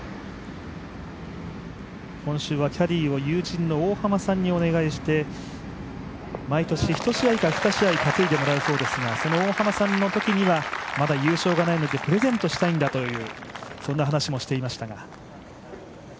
今週はキャディーを友人の大濱さんにお願いして毎年１試合か２試合担いでもらうそうですが、その大濱さんのときには、まだ優勝がないのでプレゼントしたいんだという話もしていました。